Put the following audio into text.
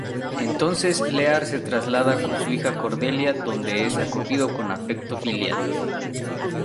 Entonces Lear se traslada con su hija Cordelia, donde es acogido con afecto filial.